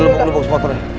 dia lempuk lempuk semua kore